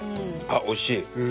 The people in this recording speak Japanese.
あっおいしい！